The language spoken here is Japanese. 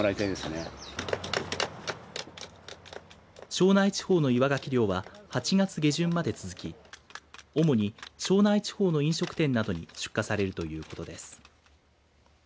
庄内地方の岩ガキ漁は８月下旬まで続き主に、庄内地方の飲食店などに出荷されるということです。